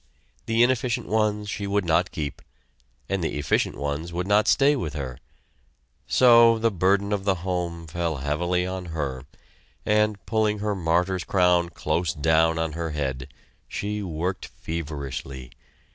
The inefficient ones she would not keep, and the efficient ones would not stay with her. So the burden of the home fell heavily on her, and, pulling her martyr's crown close down on her head, she worked feverishly.